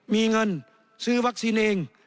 มีเงินซื้อวัคซีนเอง